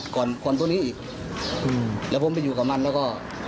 ก่อนก่อนตัวนี้อีกอืมแล้วผมไปอยู่กับมันแล้วก็